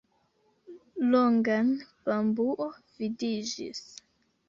Longan bambuo vidiĝis.